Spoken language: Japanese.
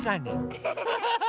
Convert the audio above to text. アハハハ！